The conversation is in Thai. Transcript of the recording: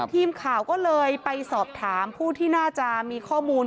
ทีมข่าวก็เลยไปสอบถามผู้ที่น่าจะมีข้อมูล